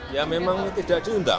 ya memang tidak diundang